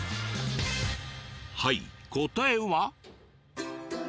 はい答えは。